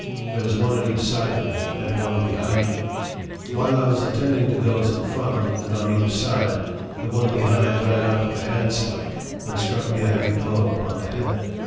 There was one at each side of me, and one behind me. While I was attending to those in front, and on either side, the one behind ran up with the handspike, and struck me a heavy blow upon the head.